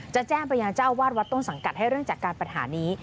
แจ้งไปยังเจ้าวาดวัดต้นสังกัดให้เร่งจัดการปัญหานี้